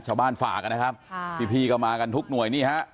ชาวบ้านฝากกันนะครับพี่ก็มากันทุกหน่วยนี่ฮะ